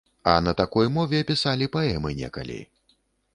А на такой мове пісалі паэмы некалі.